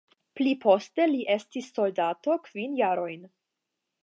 Pli poste li estis soldato kvin jarojn.